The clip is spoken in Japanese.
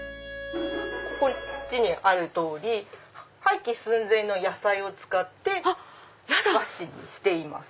こっちにある通り廃棄寸前の野菜を使って和紙にしています。